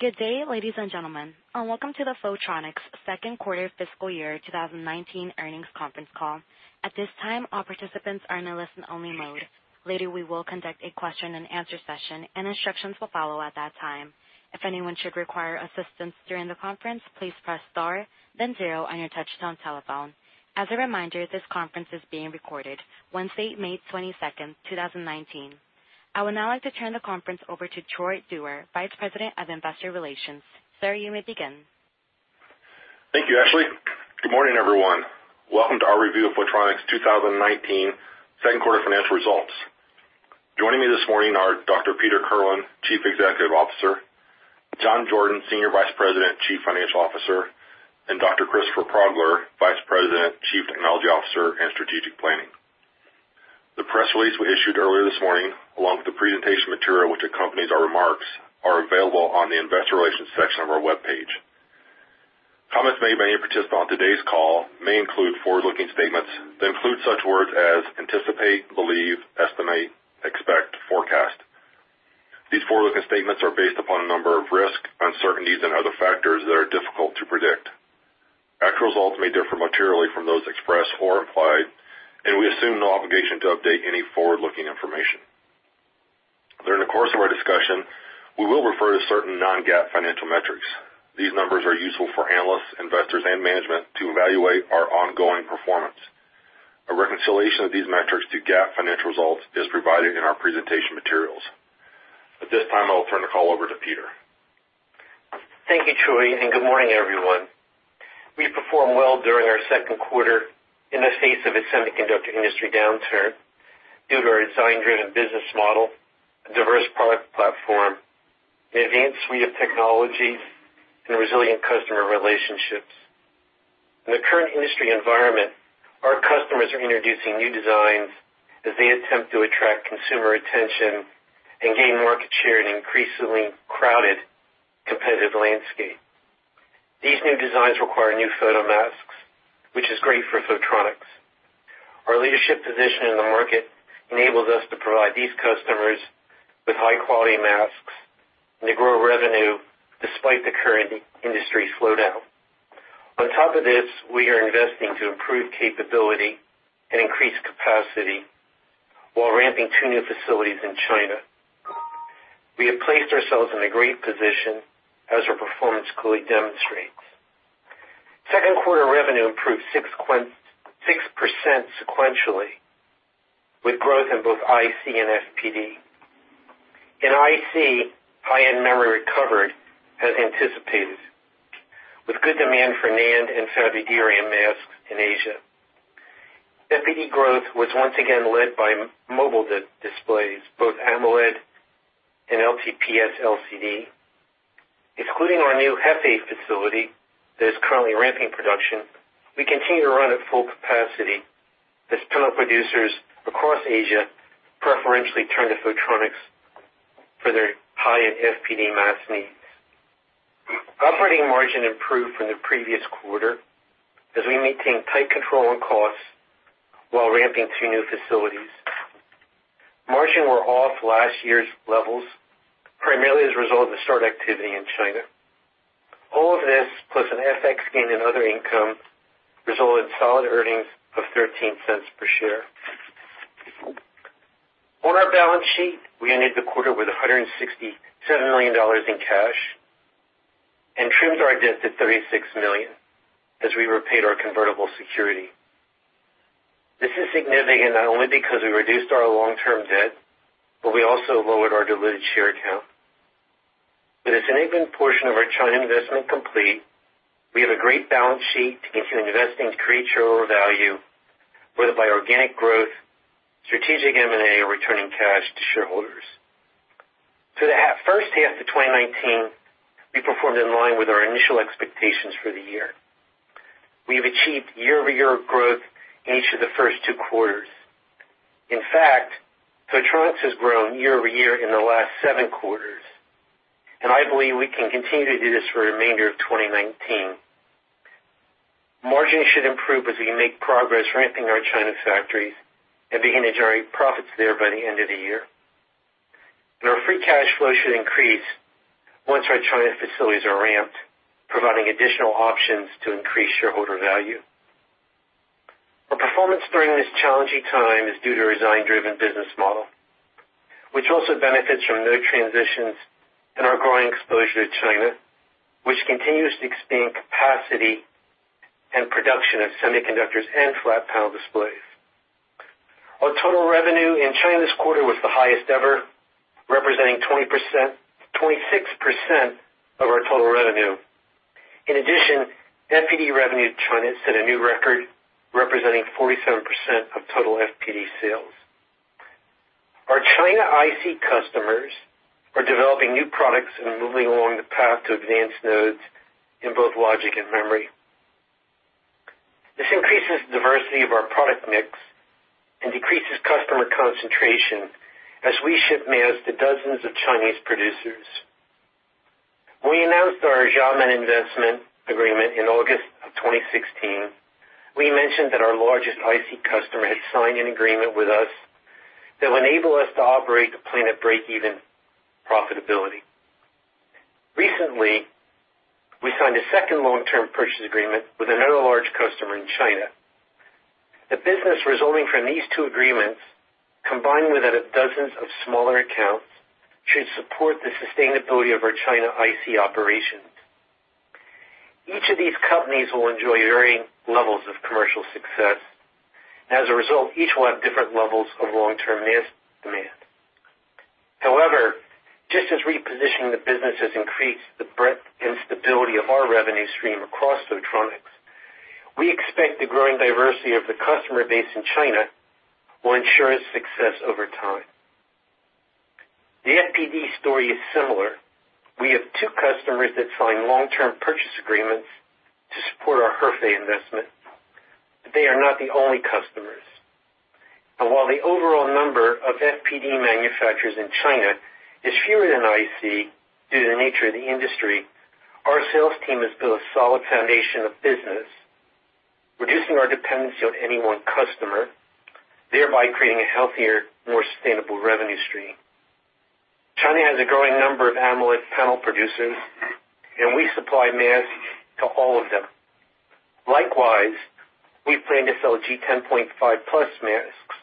Good day, ladies and gentlemen. Welcome to the Photronics Second Quarter Fiscal Year 2019 Earnings Conference Call. At this time, all participants are in a listen-only mode. Later, we will conduct a question-and-answer session, and instructions will follow at that time. If anyone should require assistance during the conference, please press star, then zero on your touch-tone telephone. As a reminder, this conference is being recorded. Wednesday, May 22nd, 2019. I would now like to turn the conference over to Troy Dewar, Vice President of Investor Relations. Sir, you may begin. Thank you, Ashley. Good morning, everyone. Welcome to our review of Photronics 2019 Second Quarter Financial Results. Joining me this morning are Dr. Peter Kirlin, Chief Executive Officer, John Jordan, Senior Vice President, Chief Financial Officer, and Dr. Christopher Progler, Vice President, Chief Technology Officer and Strategic Planning. The press release we issued earlier this morning, along with the presentation material which accompanies our remarks, is available on the Investor Relations section of our webpage. Comments made by any participant on today's call may include forward-looking statements that include such words as anticipate, believe, estimate, expect, forecast. These forward-looking statements are based upon a number of risks, uncertainties, and other factors that are difficult to predict. Actual results may differ materially from those expressed or implied, and we assume no obligation to update any forward-looking information. During the course of our discussion, we will refer to certain non-GAAP financial metrics. These numbers are useful for analysts, investors, and management to evaluate our ongoing performance. A reconciliation of these metrics to GAAP financial results is provided in our presentation materials. At this time, I will turn the call over to Peter. Thank you, Troy, and good morning, everyone. We performed well during our second quarter in the face of a semiconductor industry downturn due to our design-driven business model, a diverse product platform, an advanced suite of technologies, and resilient customer relationships. In the current industry environment, our customers are introducing new designs as they attempt to attract consumer attention and gain market share in an increasingly crowded, competitive landscape. These new designs require new photomasks, which is great for Photronics. Our leadership position in the market enables us to provide these customers with high-quality masks and to grow revenue despite the current industry slowdown. On top of this, we are investing to improve capability and increase capacity while ramping two new facilities in China. We have placed ourselves in a great position, as our performance clearly demonstrates. Second quarter revenue improved 6% sequentially, with growth in both IC and FPD. In IC, high-end memory recovered as anticipated, with good demand for NAND and Fab-driven masks in Asia. FPD growth was once again led by mobile displays, both AMOLED and LTPS LCD. Excluding our new Hefei facility that is currently ramping production, we continue to run at full capacity as panel producers across Asia preferentially turn to Photronics for their high-end FPD mask needs. Operating margin improved from the previous quarter as we maintained tight control on costs while ramping two new facilities. Margins were off last year's levels, primarily as a result of the startup activity in China. All of this, plus an FX gain in other income, resulted in solid earnings of $0.13 per share. On our balance sheet, we ended the quarter with $167 million in cash and trimmed our debt to $36 million as we repaid our convertible security. This is significant not only because we reduced our long-term debt, but we also lowered our diluted share count. With this enabling portion of our China investment complete, we have a great balance sheet to continue investing to create shareholder value, whether by organic growth, strategic M&A, or returning cash to shareholders. For the first half of 2019, we performed in line with our initial expectations for the year. We have achieved year-over-year growth in each of the first two quarters. In fact, Photronics has grown year-over-year in the last seven quarters, and I believe we can continue to do this for the remainder of 2019. Margin should improve as we make progress ramping our China factories and begin to generate profits there by the end of the year, and our free cash flow should increase once our China facilities are ramped, providing additional options to increase shareholder value. Our performance during this challenging time is due to our design-driven business model, which also benefits from new transitions and our growing exposure to China, which continues to expand capacity and production of semiconductors and flat panel displays. Our total revenue in China this quarter was the highest ever, representing 26% of our total revenue. In addition, FPD revenue in China set a new record, representing 47% of total FPD sales. Our China IC customers are developing new products and moving along the path to advanced nodes in both logic and memory. This increases the diversity of our product mix and decreases customer concentration as we ship masks to dozens of Chinese producers. When we announced our Xiamen investment agreement in August of 2016, we mentioned that our largest IC customer had signed an agreement with us that will enable us to operate the plant at break-even profitability. Recently, we signed a second long-term purchase agreement with another large customer in China. The business resulting from these two agreements, combined with that of dozens of smaller accounts, should support the sustainability of our China IC operations. Each of these companies will enjoy varying levels of commercial success, and as a result, each will have different levels of long-term demand. However, just as repositioning the business has increased the breadth and stability of our revenue stream across Photronics, we expect the growing diversity of the customer base in China will ensure its success over time. The FPD story is similar. We have two customers that signed long-term purchase agreements to support our Hefei investment, but they are not the only customers. And while the overall number of FPD manufacturers in China is fewer than IC due to the nature of the industry, our sales team has built a solid foundation of business, reducing our dependency on any one customer, thereby creating a healthier, more sustainable revenue stream. China has a growing number of AMOLED panel producers, and we supply masks to all of them. Likewise, we plan to sell G10.5+ masks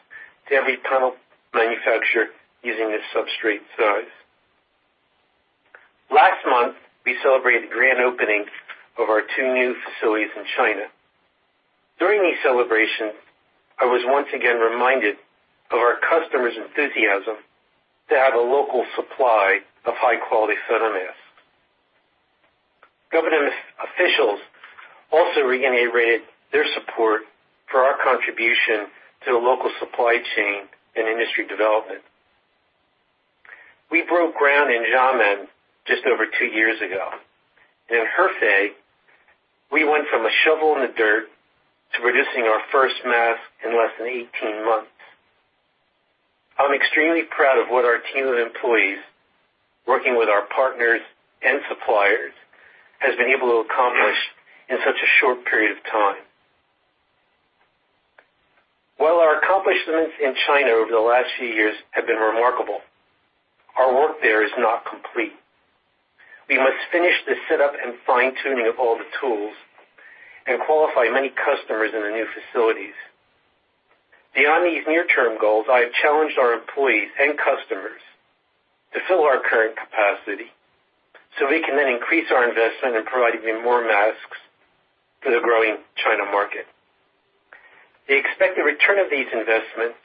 to every panel manufacturer using this substrate size. Last month, we celebrated the grand opening of our two new facilities in China. During these celebrations, I was once again reminded of our customers' enthusiasm to have a local supply of high-quality photomasks. Government officials also reiterated their support for our contribution to the local supply chain and industry development. We broke ground in Xiamen just over two years ago, and in Hefei, we went from a shovel in the dirt to producing our first mask in less than 18 months. I'm extremely proud of what our team of employees, working with our partners and suppliers, has been able to accomplish in such a short period of time. While our accomplishments in China over the last few years have been remarkable, our work there is not complete. We must finish the setup and fine-tuning of all the tools and qualify many customers in the new facilities. Beyond these near-term goals, I have challenged our employees and customers to fill our current capacity so we can then increase our investment in providing even more masks for the growing China market. The expected return of these investments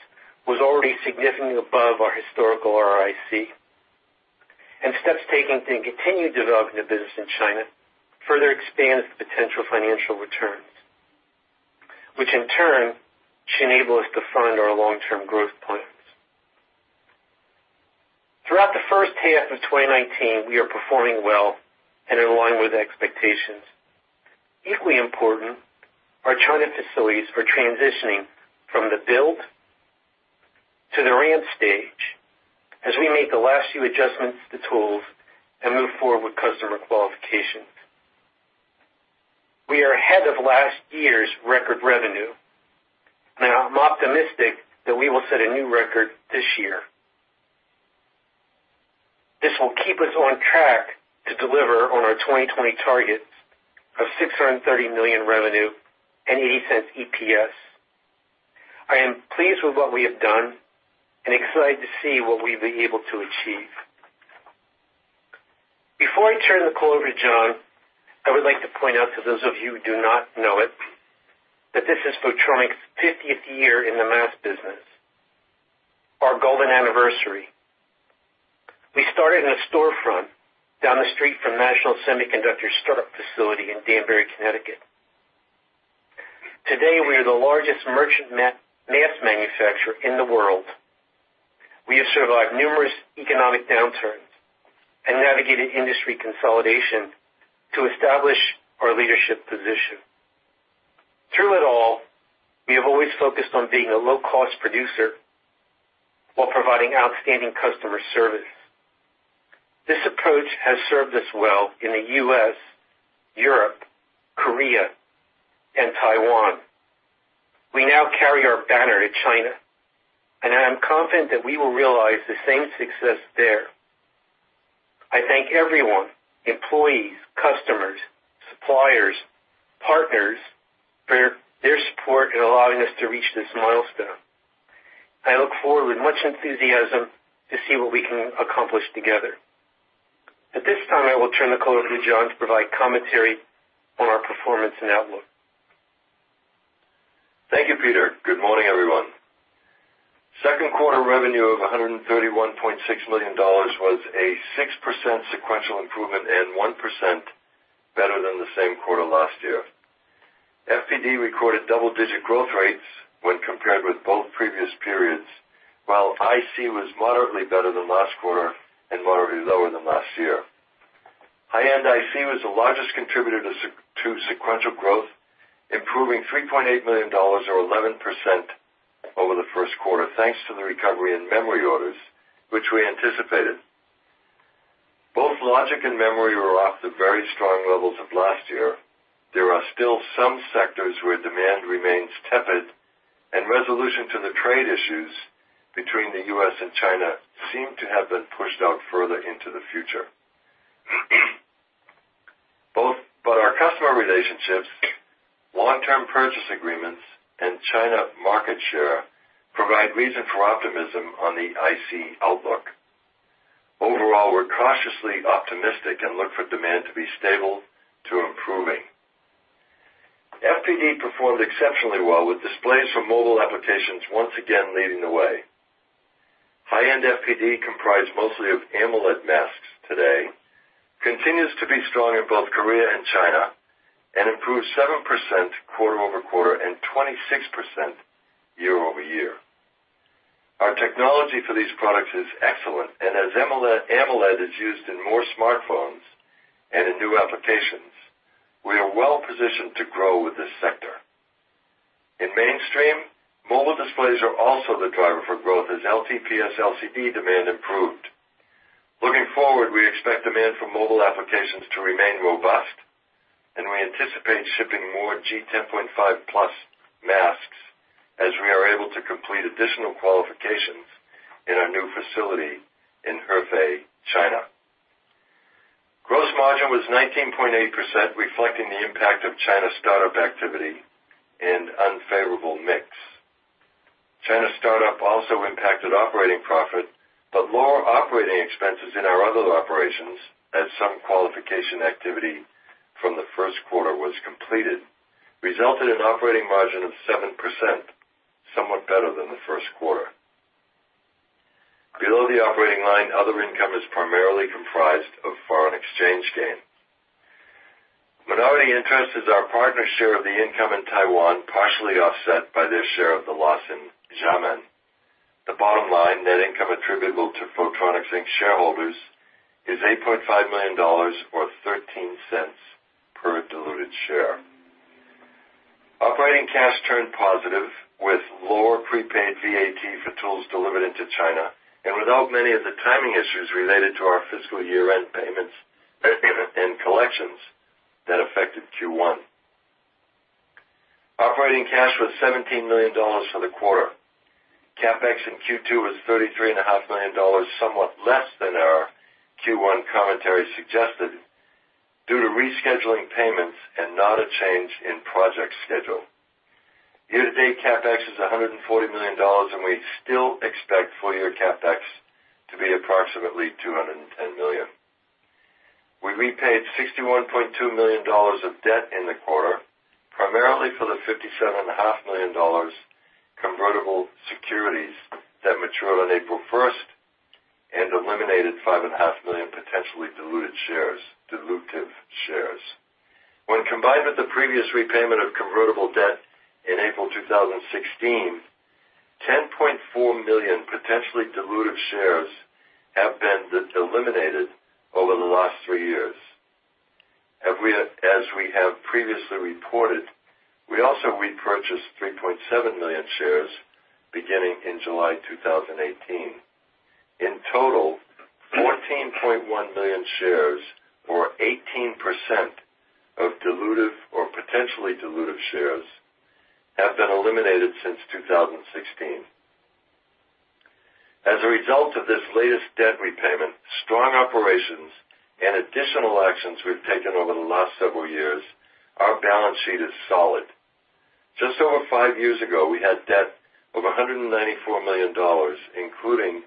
was already significantly above our historical ROIC, and steps taken to continue developing the business in China further expand the potential financial returns, which in turn should enable us to fund our long-term growth plans. Throughout the first half of 2019, we are performing well and in line with expectations. Equally important, our China facilities are transitioning from the build to the ramp stage as we make the last few adjustments to tools and move forward with customer qualifications. We are ahead of last year's record revenue, and I'm optimistic that we will set a new record this year. This will keep us on track to deliver on our 2020 targets of $630 million revenue and $0.80 EPS. I am pleased with what we have done and excited to see what we will be able to achieve. Before I turn the call over to John, I would like to point out to those of you who do not know it that this is Photronics' 50th year in the mask business, our golden anniversary. We started in a storefront down the street from National Semiconductor startup facility in Danbury, Connecticut. Today, we are the largest merchant mask manufacturer in the world. We have survived numerous economic downturns and navigated industry consolidation to establish our leadership position. Through it all, we have always focused on being a low-cost producer while providing outstanding customer service. This approach has served us well in the U.S., Europe, Korea, and Taiwan. We now carry our banner to China, and I am confident that we will realize the same success there. I thank everyone, employees, customers, suppliers, partners, for their support in allowing us to reach this milestone. I look forward with much enthusiasm to see what we can accomplish together. At this time, I will turn the call over to John to provide commentary on our performance and outlook. Thank you, Peter. Good morning, everyone. Second quarter revenue of $131.6 million was a 6% sequential improvement and 1% better than the same quarter last year. FPD recorded double-digit growth rates when compared with both previous periods, while IC was moderately better than last quarter and moderately lower than last year. High-end IC was the largest contributor to sequential growth, improving $3.8 million, or 11%, over the first quarter, thanks to the recovery in memory orders, which we anticipated. Both logic and memory were off the very strong levels of last year. There are still some sectors where demand remains tepid, and resolution to the trade issues between the U.S. and China seem to have been pushed out further into the future. Both our customer relationships, long-term purchase agreements, and China market share provide reason for optimism on the IC outlook. Overall, we're cautiously optimistic and look for demand to be stable to improving. FPD performed exceptionally well, with displays for mobile applications once again leading the way. High-end FPD, comprised mostly of AMOLED masks today, continues to be strong in both Korea and China and improved 7% quarter over quarter and 26% year over year. Our technology for these products is excellent, and as AMOLED is used in more smartphones and in new applications, we are well positioned to grow with this sector. In mainstream, mobile displays are also the driver for growth as LTPS LCD demand improved. Looking forward, we expect demand for mobile applications to remain robust, and we anticipate shipping more G10.5+ masks as we are able to complete additional qualifications in our new facility in Hefei, China. Gross margin was 19.8%, reflecting the impact of China startup activity and unfavorable mix. China startup also impacted operating profit, but lower operating expenses in our other operations, as some qualification activity from the first quarter was completed, resulted in operating margin of 7%, somewhat better than the first quarter. Below the operating line, other income is primarily comprised of foreign exchange gain. Minority interest is our partner's share of the income in Taiwan, partially offset by their share of the loss in Xiamen. The bottom line, net income attributable to Photronics, Inc. shareholders, is $8.5 million, or $0.13 per diluted share. Operating cash turned positive with lower prepaid VAT for tools delivered into China and without many of the timing issues related to our fiscal year-end payments and collections that affected Q1. Operating cash was $17 million for the quarter. CapEx in Q2 was $33.5 million, somewhat less than our Q1 commentary suggested, due to rescheduling payments and not a change in project schedule. Year-to-date CapEx is $140 million, and we still expect full-year CapEx to be approximately $210 million. We repaid $61.2 million of debt in the quarter, primarily for the $57.5 million convertible securities that matured on April 1st and eliminated 5.5 million potentially diluted shares. When combined with the previous repayment of convertible debt in April 2016, 10.4 million potentially diluted shares have been eliminated over the last three years. As we have previously reported, we also repurchased 3.7 million shares beginning in July 2018. In total, 14.1 million shares, or 18% of diluted or potentially diluted shares, have been eliminated since 2016. As a result of this latest debt repayment, strong operations and additional actions we've taken over the last several years, our balance sheet is solid. Just over five years ago, we had debt of $194 million, including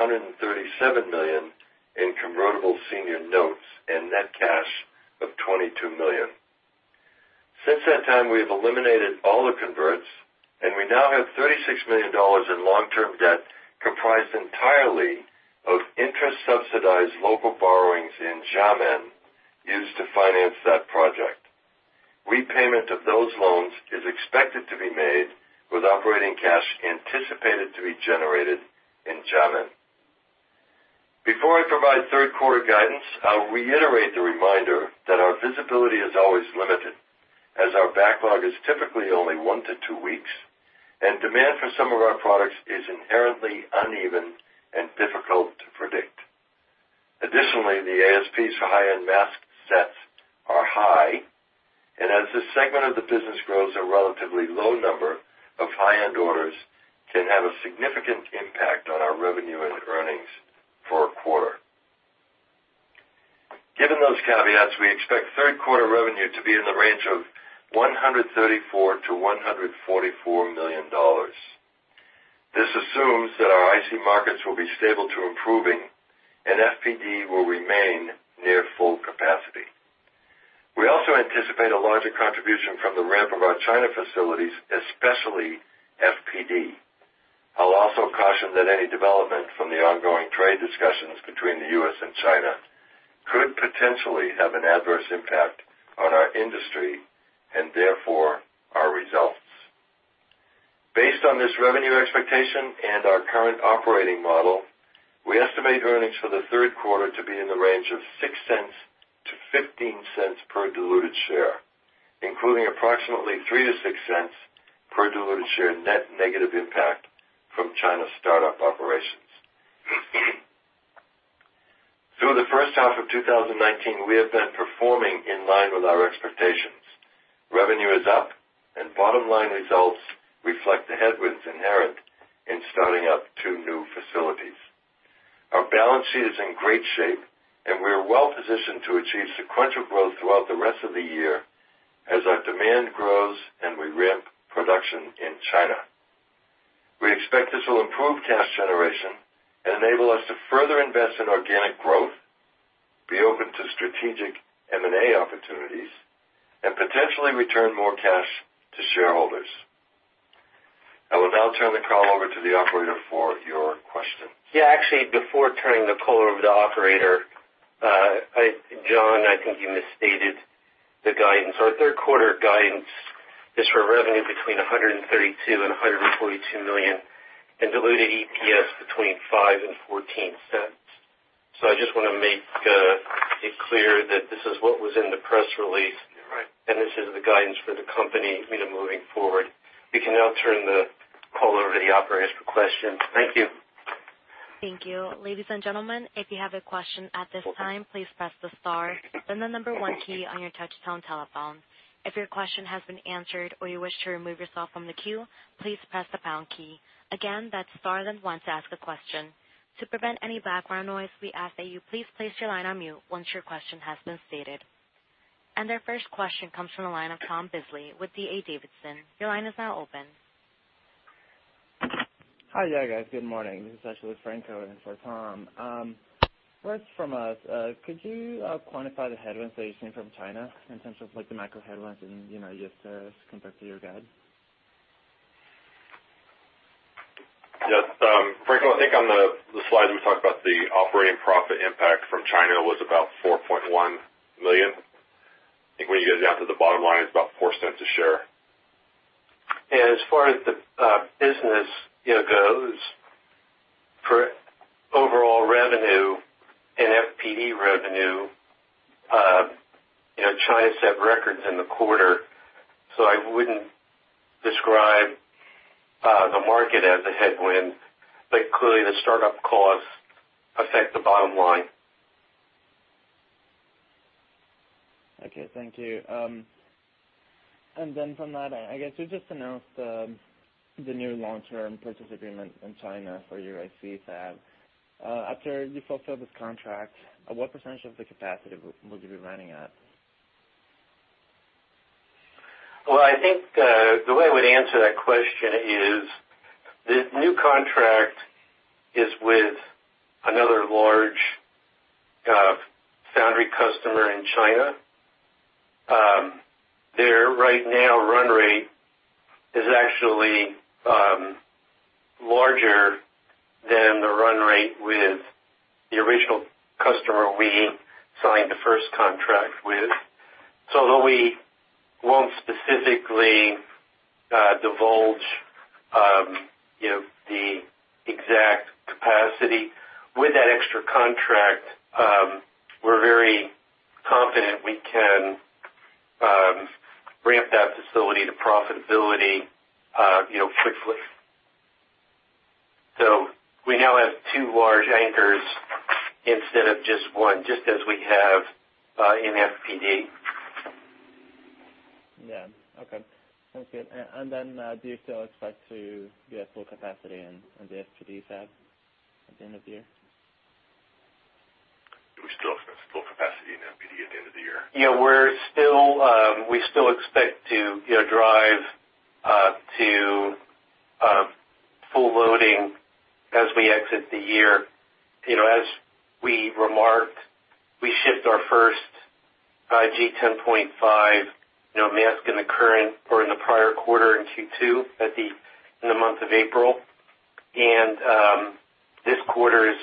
$137 million in convertible senior notes and net cash of $22 million. Since that time, we have eliminated all the converts, and we now have $36 million in long-term debt comprised entirely of interest-subsidized local borrowings in Xiamen used to finance that project. Repayment of those loans is expected to be made with operating cash anticipated to be generated in Xiamen. Before I provide third-quarter guidance, I'll reiterate the reminder that our visibility is always limited, as our backlog is typically only one to two weeks, and demand for some of our products is inherently uneven and difficult to predict. Additionally, the ASPs for high-end mask sets are high, and as this segment of the business grows, a relatively low number of high-end orders can have a significant impact on our revenue and earnings for a quarter. Given those caveats, we expect third-quarter revenue to be in the range of $134-$144 million. This assumes that our IC markets will be stable to improving and FPD will remain near full capacity. We also anticipate a larger contribution from the ramp of our China facilities, especially FPD. I'll also caution that any development from the ongoing trade discussions between the U.S. and China could potentially have an adverse impact on our industry and therefore our results. Based on this revenue expectation and our current operating model, we estimate earnings for the third quarter to be in the range of $0.06-$0.15 per diluted share, including approximately $0.03-$0.06 per diluted share net negative impact from China startup operations. Through the first half of 2019, we have been performing in line with our expectations. Revenue is up, and bottom-line results reflect the headwinds inherent in starting up two new facilities. Our balance sheet is in great shape, and we are well positioned to achieve sequential growth throughout the rest of the year as our demand grows and we ramp production in China. We expect this will improve cash generation and enable us to further invest in organic growth, be open to strategic M&A opportunities, and potentially return more cash to shareholders. I will now turn the call over to the operator for your questions. Yeah, actually, before turning the call over to the operator, John, I think you misstated the guidance. Our third-quarter guidance is for revenue between $132 and $142 million and diluted EPS between $0.05 and $0.14. So I just want to make it clear that this is what was in the press release, and this is the guidance for the company moving forward. We can now turn the call over to the operator for questions. Thank you. Thank you. Ladies and gentlemen, if you have a question at this time, please press the star, then the number one key on your touch-tone telephone. If your question has been answered or you wish to remove yourself from the queue, please press the pound key. Again, that's star then one to ask a question. To prevent any background noise, we ask that you please place your line on mute once your question has been stated, and our first question comes from the line of Tom Diffely with D.A. Davidson. Your line is now open. Hi, yeah, guys. Good morning. This is actually Franco Granda for Tom. First from us, could you quantify the headwinds that you're seeing from China in terms of the macro headwinds and just to compare to your guide? Yes. Franco, I think on the slide we talked about the operating profit impact from China was about $4.1 million. I think when you get down to the bottom line, it's about $0.04 a share. Yeah. As far as the business goes, for overall revenue and FPD revenue, China set records in the quarter, so I wouldn't describe the market as a headwind, but clearly the startup costs affect the bottom line. Okay. Thank you, and then from that, I guess you just announced the new long-term purchase agreement in China for your IC fab. After you fulfill this contract, what percentage of the capacity will you be running at? I think the way I would answer that question is the new contract is with another large foundry customer in China. Their right now run rate is actually larger than the run rate with the original customer we signed the first contract with. So although we won't specifically divulge the exact capacity, with that extra contract, we're very confident we can ramp that facility to profitability quickly. So we now have two large anchors instead of just one, just as we have in FPD. Yeah. Okay. Thank you. And then do you still expect to get full capacity on the FPD fab at the end of the year? Do we still expect full capacity in FPD at the end of the year? Yeah. We still expect to drive to full loading as we exit the year. As we remarked, we shipped our first G10.5 mask in the current or in the prior quarter in Q2, in the month of April. And this quarter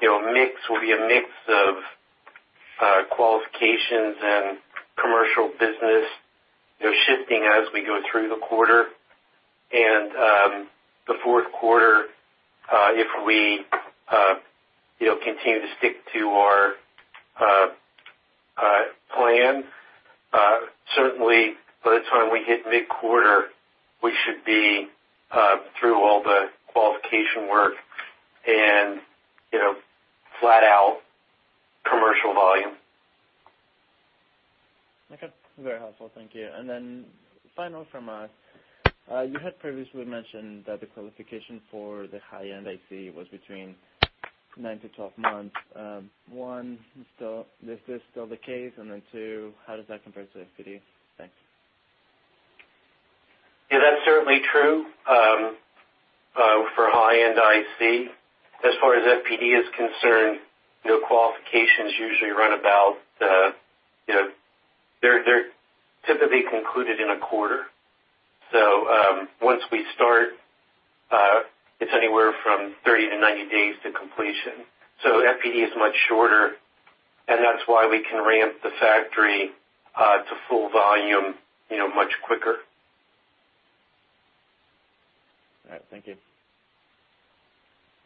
will be a mix of qualifications and commercial business shifting as we go through the quarter. And the fourth quarter, if we continue to stick to our plan, certainly by the time we hit mid-quarter, we should be through all the qualification work and flat-out commercial volume. Okay. Very helpful. Thank you. And then final from us, you had previously mentioned that the qualification for the high-end IC was between nine to 12 months. One, is this still the case? And then two, how does that compare to FPD? Thanks. Yeah. That's certainly true for high-end IC. As far as FPD is concerned, qualifications usually run about, they're typically concluded in a quarter. So once we start, it's anywhere from 30-90 days to completion. So FPD is much shorter, and that's why we can ramp the factory to full volume much quicker. All right. Thank you.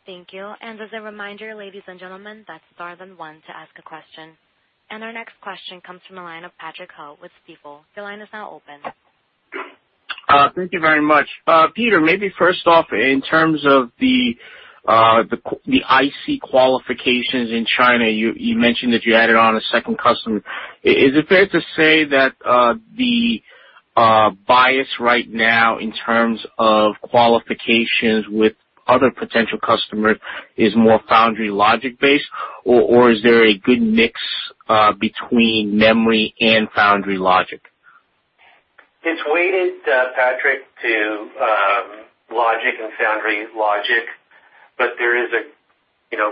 Thank you. And as a reminder, ladies and gentlemen, that's star then one to ask a question. And our next question comes from the line of Patrick Ho with Stifel. Your line is now open. Thank you very much. Peter, maybe first off, in terms of the IC qualifications in China, you mentioned that you added on a second customer. Is it fair to say that the bias right now in terms of qualifications with other potential customers is more foundry logic-based, or is there a good mix between memory and foundry logic? It's weighted, Patrick, to logic and foundry logic, but there is a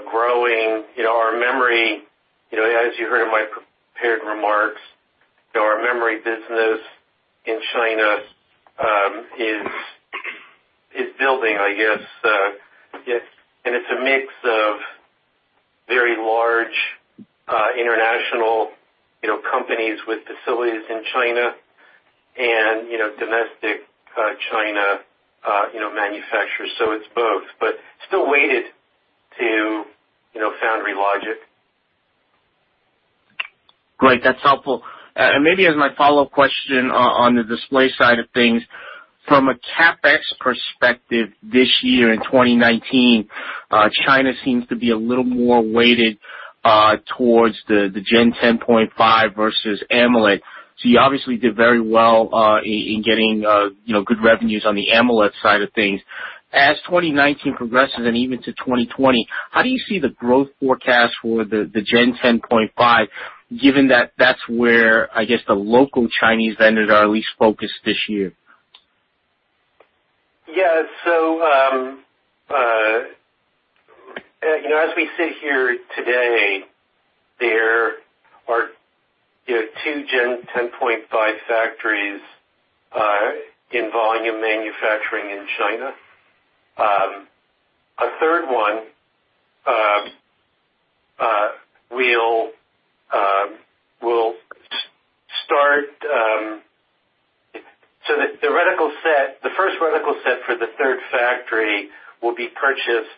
growing our memory, as you heard in my prepared remarks, our memory business in China is building, I guess, and it's a mix of very large international companies with facilities in China and domestic China manufacturers, so it's both, but still weighted to foundry logic. Great. That's helpful. And maybe as my follow-up question on the display side of things, from a CapEx perspective this year in 2019, China seems to be a little more weighted towards the Gen 10.5 versus AMOLED. So you obviously did very well in getting good revenues on the AMOLED side of things. As 2019 progresses and even to 2020, how do you see the growth forecast for the Gen 10.5, given that that's where, I guess, the local Chinese vendors are at least focused this year? Yeah. So as we sit here today, there are two G10.5 factories in volume manufacturing in China. A third one will start. So the first reticle set for the third factory will be purchased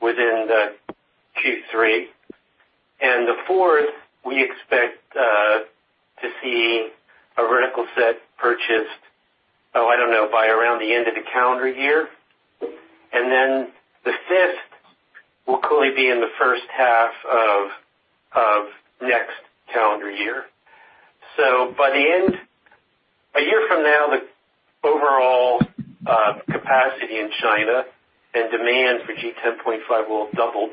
within Q3. And the fourth, we expect to see a reticle set purchased, oh, I don't know, by around the end of the calendar year. And then the fifth will clearly be in the first half of next calendar year. So by the end, a year from now, the overall capacity in China and demand for G10.5 will have doubled.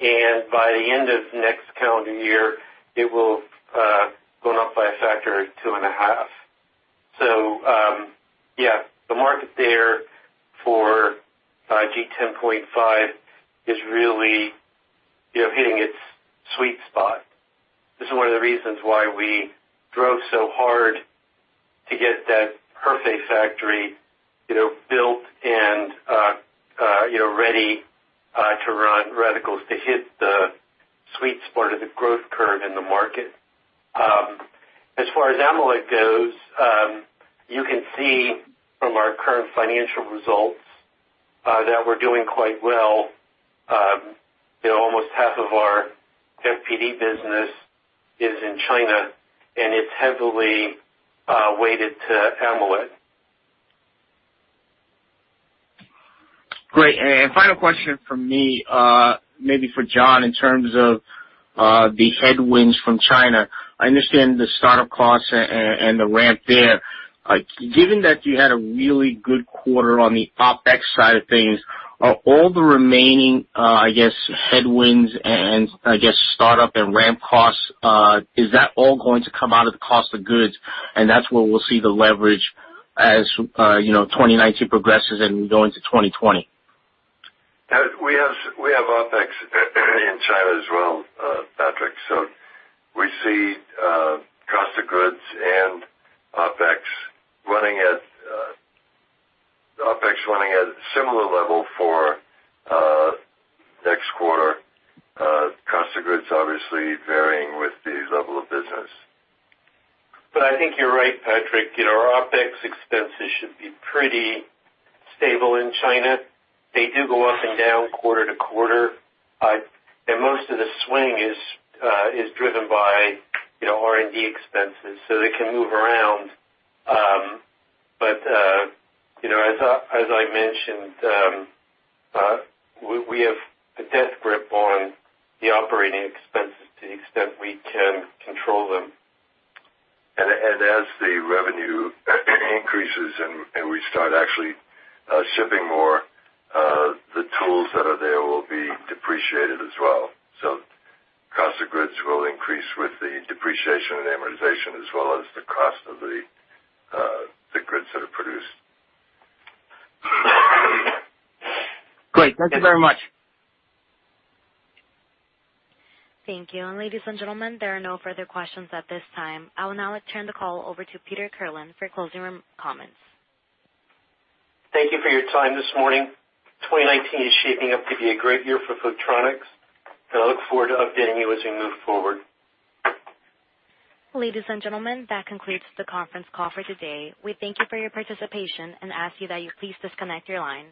And by the end of next calendar year, it will have gone up by a factor of two and a half. So yeah, the market there for G10.5 is really hitting its sweet spot. This is one of the reasons why we drove so hard to get that perfect factory built and ready to run reticles to hit the sweet spot of the growth curve in the market. As far as AMOLED goes, you can see from our current financial results that we're doing quite well. Almost half of our FPD business is in China, and it's heavily weighted to AMOLED. Great. And final question from me, maybe for John, in terms of the headwinds from China. I understand the startup costs and the ramp there. Given that you had a really good quarter on the OpEx side of things, are all the remaining, I guess, headwinds and, I guess, startup and ramp costs, is that all going to come out of the cost of goods? And that's where we'll see the leverage as 2019 progresses and we go into 2020. We have OpEx in China as well, Patrick. So we see cost of goods and OpEx running at similar level for next quarter. Cost of goods obviously varying with the level of business. But I think you're right, Patrick. Our OpEx expenses should be pretty stable in China. They do go up and down quarter to quarter. And most of the swing is driven by R&D expenses, so they can move around. But as I mentioned, we have a death grip on the operating expenses to the extent we can control them. As the revenue increases and we start actually shipping more, the tools that are there will be depreciated as well. Cost of goods will increase with the depreciation and amortization as well as the cost of the goods that are produced. Great. Thank you very much. Thank you. And ladies and gentlemen, there are no further questions at this time. I will now turn the call over to Peter Kirlin for closing comments. Thank you for your time this morning. 2019 is shaping up to be a great year for Photronics, and I look forward to updating you as we move forward. Ladies and gentlemen, that concludes the conference call for today. We thank you for your participation and ask you that you please disconnect your line.